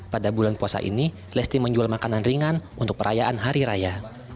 pada bulan puasa ini lesti menjual makanan ringan untuk perayaan hari raya